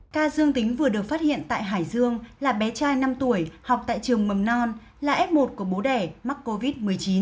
ca dương tính vừa được phát hiện tại hải dương là bé trai năm tuổi học tại trường mầm non là f một của bố đẻ mắc covid một mươi chín